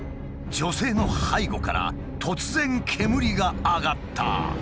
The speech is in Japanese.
女性の背後から突然煙が上がった。